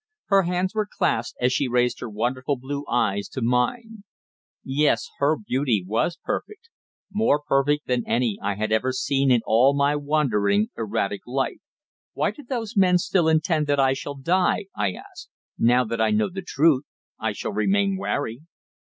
Her hands were clasped as she raised her wonderful blue eyes to mine. Yes, her beauty was perfect more perfect than any I had ever seen in all my wandering, erratic life. "Why do those men still intend that I shall die?" I asked. "Now that I know the truth I shall remain wary."